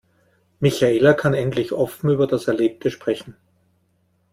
Michaela kann endlich offen über das Erlebte sprechen.